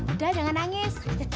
udah jangan nangis